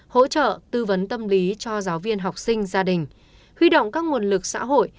hỗ trợ tư vấn tâm lý cho giáo viên học sinh gia đình huy động các nguồn lực xã hội